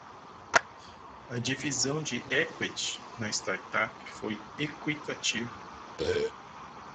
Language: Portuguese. A divisão de equity na startup foi equitativa.